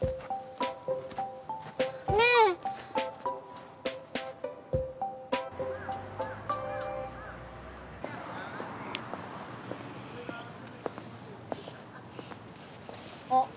ねえ。あっ。